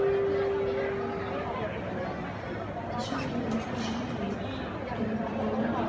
พี่แม่ที่เว้นได้รับความรู้สึกมากกว่า